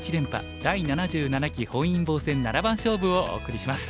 第７７期本因坊戦七番勝負」をお送りします。